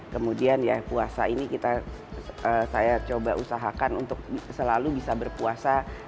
kemudian ya puasa ini saya coba usahakan untuk selalu bisa berpuasa